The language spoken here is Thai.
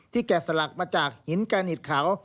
แกะสลักมาจากหินกานิดเขา